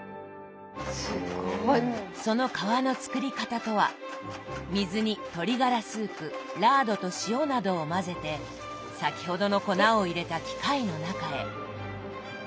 その皮の作り方とは水に鶏ガラスープラードと塩などを混ぜて先ほどの粉を入れた機械の中へ。